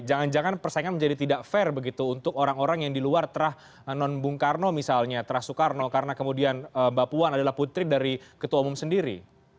jangan jangan persaingan menjadi tidak fair begitu untuk orang orang yang di luar terah non bung karno misalnya terah soekarno karena kemudian mbak puan adalah putri dari ketua umum sendiri